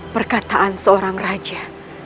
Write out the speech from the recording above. perkataan seorang raja